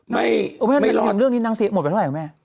หมดไปเมื่อไหร่คุณแม่